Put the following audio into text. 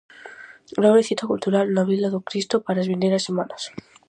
Dobre cita cultural na Vila do Cristo para as vindeiras semanas.